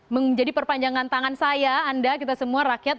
menjadi perpanjangan tangan saya anda kita semua rakyat